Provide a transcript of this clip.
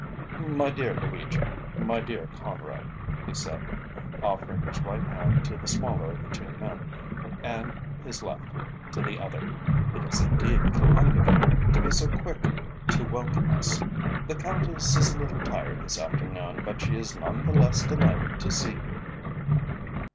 "My dear Luigi my dear Conrad," he said, offering his right hand to the smaller of the two men and his left to the other. "It is indeed kind of you to be so quick to welcome us. The Countess is a little tired this afternoon, but she is none the less delighted to see you."